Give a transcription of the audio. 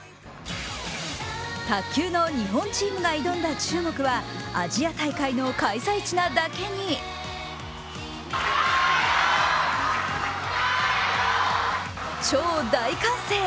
卓球の日本チームが挑んだ中国はアジア大会の開催地なだけに超大歓声。